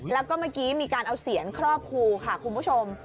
แล้วก็เมื่อกี้มีการเอาเสียนครอบครูค่ะคุณผู้ชม